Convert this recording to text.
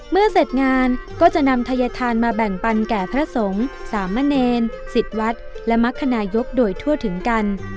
เมื่อเสร็จงานก็จะนำทัยธานมาแบ่งปันแก่พระสงฆ์สามเณรสิทธิ์วัดและมรรคนายกโดยทั่วถึงกัน